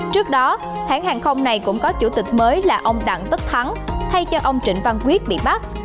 trước đó hãng hàng không này cũng có chủ tịch mới là ông đặng tất thắng thay cho ông trịnh văn quyết bị bắt